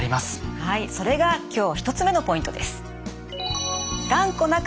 はいそれが今日１つ目のポイントです。